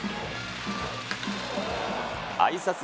あいさつ